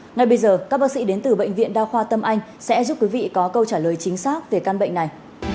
ngay bây giờ các bác sĩ đến từ bệnh viện đa khoa tâm anh sẽ giúp quý vị có câu trả lời chính xác về căn bệnh này